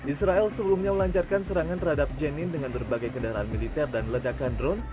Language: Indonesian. israel sebelumnya melancarkan serangan terhadap jenin dengan berbagai kendaraan militer dan ledakan drone